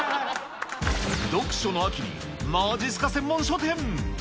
読書の秋にまじっすか専門書店。